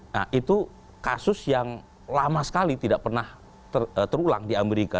nah itu kasus yang lama sekali tidak pernah terulang di amerika